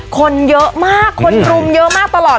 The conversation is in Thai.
คนเยอะมากคนรุมเยอะมากตลอด